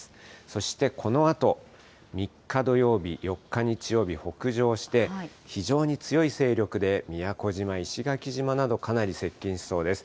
そして、このあと、３日土曜日、４日日曜日、北上して、非常に強い勢力で宮古島、石垣島などかなり接近しそうです。